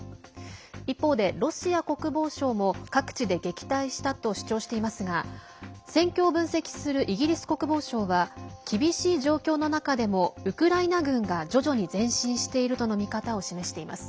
一方でロシア国防省も、各地で撃退したと主張していますが戦況を分析するイギリス国防省は厳しい状況の中でもウクライナ軍が徐々に前進しているとの見方を示しています。